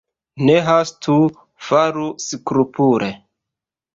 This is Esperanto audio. Ne hastu, faru skrupule.